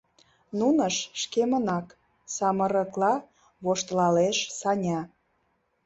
— Нунышт шкемынак... — самырыкла воштылалеш Саня.